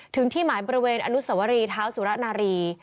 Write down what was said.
ที่หมายบริเวณอนุสวรีเท้าสุรนารี